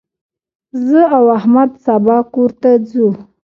زه او احمد سبا کور ته ځو.